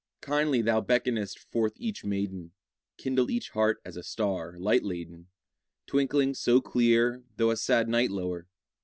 Kindly thou beckonest forth each maiden; Kindle each heart as a star light laden, Twinkling so clear, though a sad night lower!